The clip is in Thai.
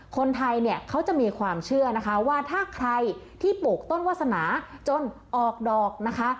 คนไทยเนี่ยเขาจะมีความเชื่อนะคะว่าถ้าใครที่ปลูกต้นวาสนาจนออกดอกนะคะ